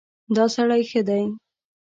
دا سړی ښه دی.